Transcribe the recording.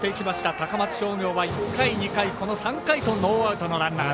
高松商業は１回、２回この３回とノーアウトのランナー。